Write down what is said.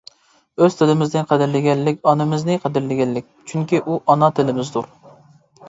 ئۆز تىلىمىزنى قەدىرلىگەنلىك ئانىمىزنى قەدىرلىگەنلىك، چۈنكى ئۇ ئانا تىلىمىزدۇر.